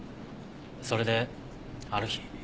それである日。